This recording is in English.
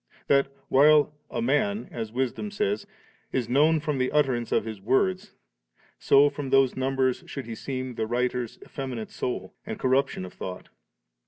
that, while *a man,' as Wisdom says, *is known from the utterance of his wordV so from those numbers should be seen the writer's effeminate soul and corruption of thought'.